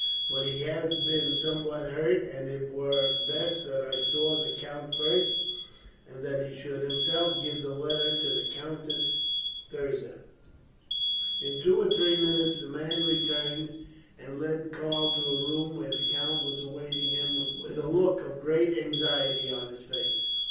But he has been somewhat hurt, and it were best that I saw the count first, and that he should himself give the letter to the Countess Thirza." In two or three minutes the man returned, and led Karl to a room where the count was awaiting him, with a look of great anxiety on his face.